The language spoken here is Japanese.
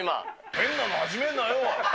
変なの始めるなよ。